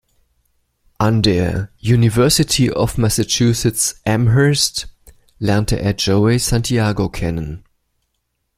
An der University of Massachusetts Amherst lernte er Joey Santiago kennen.